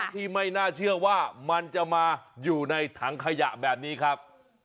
ที่ไม่น่าเชื่อว่ามันจะมาอยู่ในถังขยะแบบนี้ครับ